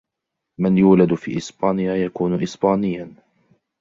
من يولد في اسبانيا يكون اسبانياً.